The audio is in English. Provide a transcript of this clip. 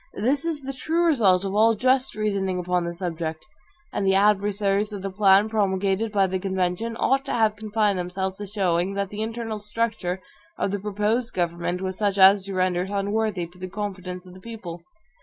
This is the true result of all just reasoning upon the subject. And the adversaries of the plan promulgated by the convention ought to have confined themselves to showing, that the internal structure of the proposed government was such as to render it unworthy of the confidence of the people.